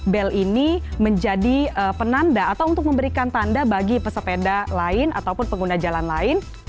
bel ini menjadi penanda atau untuk memberikan tanda bagi pesepeda lain ataupun pengguna jalan lain